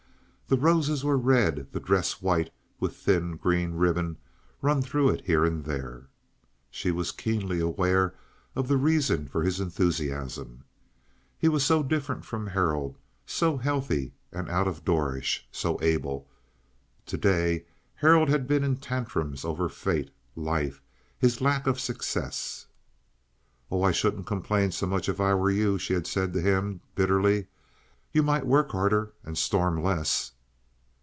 The roses were red; the dress white, with thin, green ribbon run through it here and there. She was keenly aware of the reason for his enthusiasm. He was so different from Harold, so healthy and out of doorish, so able. To day Harold had been in tantrums over fate, life, his lack of success. "Oh, I shouldn't complain so much if I were you," she had said to him, bitterly. "You might work harder and storm less."